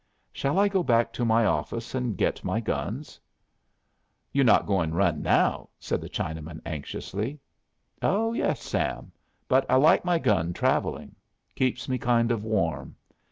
"Shall I go back to my office and get my guns?" "You not goin' run now?" said the Chinaman, anxiously. "Oh yes, Sam. But I like my gun travelling. Keeps me kind of warm.